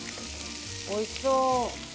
おいしそう。